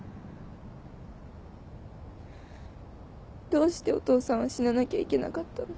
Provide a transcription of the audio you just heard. どうしてお父さんは死ななきゃいけなかったの？